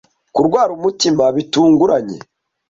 kurwara umutima bitunguranye